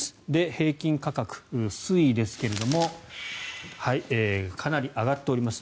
平均価格、推移ですがかなり上がっております。